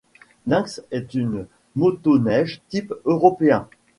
Lynx est une motoneige type européen.